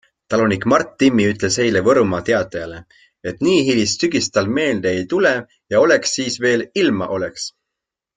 Talunik Mart Timmi ütles eile Võrumaa Teatajale, et nii hilist sügist tal meelde ei tule ja oleks siis veel ilma oleks.